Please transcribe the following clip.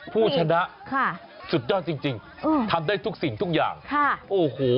ผู้ชนะสุดยอดจริงทำได้ทุกสิ่งทุกอย่างโอ้โห